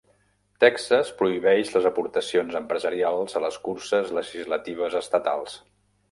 Texas prohibeix les aportacions empresarials a les curses legislatives estatals.